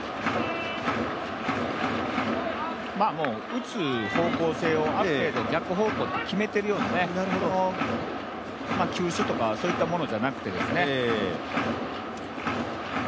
打つ方向性をある程度、逆方向って決めてるような、球種とかそういったものではなくて。